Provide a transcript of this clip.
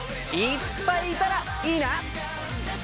いっぱいいたらいいな！